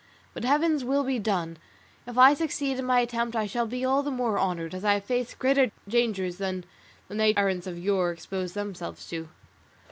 But Heaven's will be done; if I succeed in my attempt I shall be all the more honoured, as I have faced greater dangers than the knights errant of yore exposed themselves to."